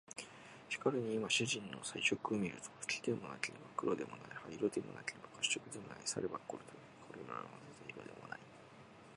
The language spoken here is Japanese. しかるに今主人の彩色を見ると、黄でもなければ黒でもない、灰色でもなければ褐色でもない、さればとてこれらを交ぜた色でもない